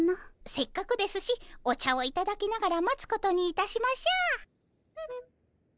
せっかくですしお茶をいただきながら待つことにいたしましょう。